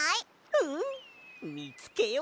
うんみつけよう。